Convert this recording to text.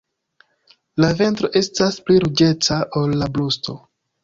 La ventro estas pli ruĝeca ol la brusto.